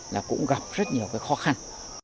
là cũng gặp rất nhiều khó khăn